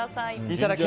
いただき！